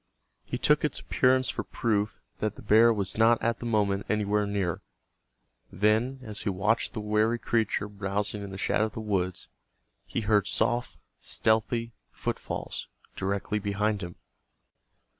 He took its appearance for proof that the bear was not at the moment anywhere near. Then, as he watched the wary creature browsing in the shadow of the woods, he heard soft, stealthy footfalls directly behind him.